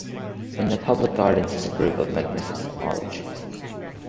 In the public gardens is a group of magnificent olive trees.